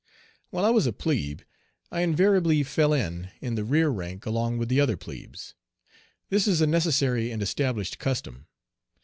While I was a plebe, I invariably fell in in the rear rank along with the other plebes. This is a necessary and established custom.